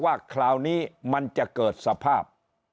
ว่าคราวนี้มันจะเกิดสภาพ